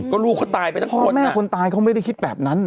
ก็ลูกเขาตายไปทั้งคนแต่คนตายเขาไม่ได้คิดแบบนั้น